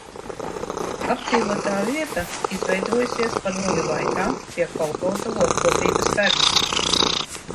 Apdzīvotā vieta izveidojusies padomju laikā pie kolhoza lopkopības fermas.